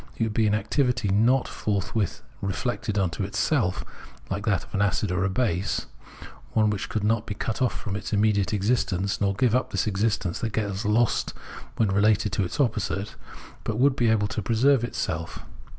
would be an activity not forthwith reflected into itself, like that of an acid or a base — one which could not be cut off from its imme diate existence, nor give up this existence that gets lost when related to its opposite, but would be able to pre serve itself.